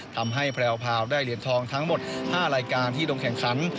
ทำให้แพรวพาวได้เหรียญทองทั้งหมด๕รายการที่ลงแข่งขัน